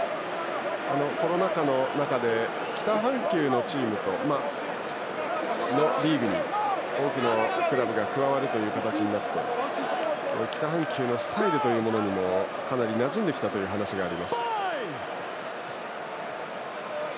コロナ禍の中で北半球のチームのリーグに多くのクラブが加わるという形になり北半球のスタイルにもかなりなじんできたという話があります。